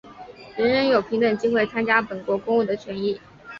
人人有平等机会参加本国公务的权利。